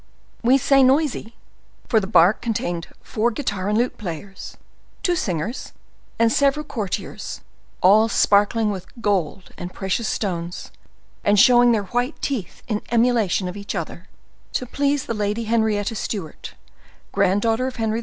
We say noisy—for the bark contained four guitar and lute players, two singers, and several courtiers, all sparkling with gold and precious stones, and showing their white teeth in emulation of each other, to please the Lady Henrietta Stuart, grand daughter of Henry IV.